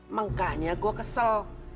mengkanya saya kesal